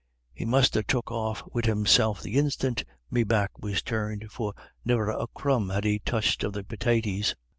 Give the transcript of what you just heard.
"He must ha' took off wid himself the instiant me back was turned, for ne'er a crumb had he touched of the pitaties."